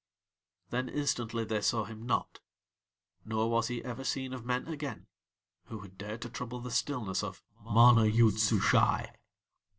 Then instantly they saw him not, nor was he ever seen of men again who had dared to trouble the stillness of MANA YOOD SUSHAI.